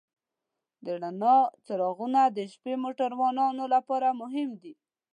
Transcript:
د رڼا څراغونه د شپې موټروان لپاره مهم دي.